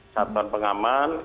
satuan pengaman ya